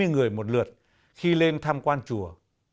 hai mươi người một lượt khi lên tham quan chùa